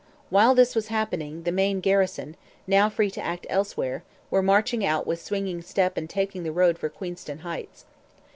While this was happening, the main garrison, now free to act elsewhere, were marching out with swinging step and taking the road for Queenston Heights.